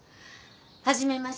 初めまして。